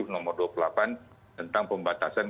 nomor dua puluh delapan tentang pembatasan